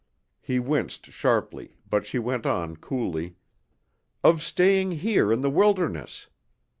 He winced sharply, but she went on coolly: "Of staying here in the wilderness.